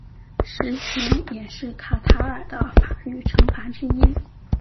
石刑也是卡塔尔的法律惩罚之一。